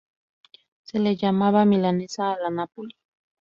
Se la llamaba "milanesa a la Nápoli".